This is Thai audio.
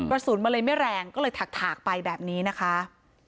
กระสุนมันเลยไม่แรงก็เลยถากไปแบบนี้นะคะ